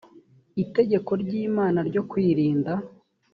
itegeko ry imana ryo kwirinda